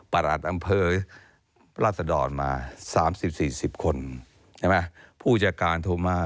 ประหลาดอำเภอรัศดรมา๓๐๔๐คนผู้จัดการโทรมา